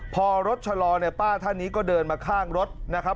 พอรถชะลอเนี่ยป้าท่านนี้ก็เดินมาข้างรถนะครับ